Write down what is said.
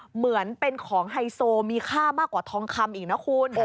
เหมือนเป็นของไฮโซมีค่ามากกว่าทองคำอีกนะคุณ